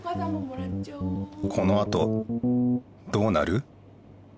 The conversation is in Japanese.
このあとどうなる？